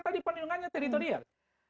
tadi penilangannya teritorial